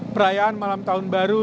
perayaan malam tahun baru